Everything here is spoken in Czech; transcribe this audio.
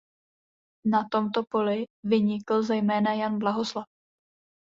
Na tomto poli vynikl zejména Jan Blahoslav.